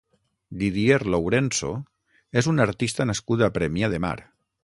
Didier Lourenço és un artista nascut a Premià de Mar.